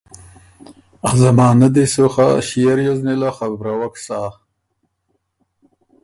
ا زمانۀ دی سو خه ݭيې ریوز نېله خبروک سۀ۔